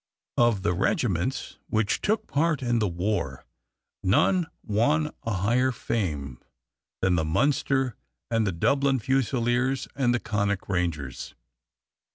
Of the regiments which took part in the war none won a higher fame than the Munster and the Dublin Fusiliers and the Connaught Rangers.